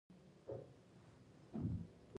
وطنه ته شي ښاد